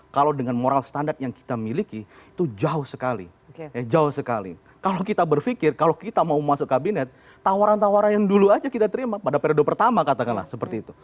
kalau dengan moral standar yang kita miliki itu jauh sekali jauh sekali kalau kita berpikir kalau kita mau masuk kabinet tawaran tawaran yang dulu aja kita terima pada periode pertama katakanlah seperti itu